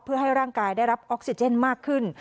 เพื่อให้ร่างกายได้รับออกซิเจนมากขึ้น